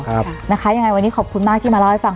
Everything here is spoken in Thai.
ยังไงวันนี้ขอบคุณมากที่มาเล่าให้ฟัง